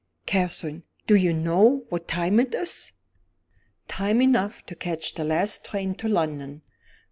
"Catherine! do you know what time it is?" "Time enough to catch the last train to London.